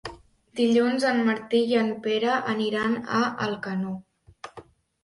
Dilluns en Martí i en Pere iran a Alcanó.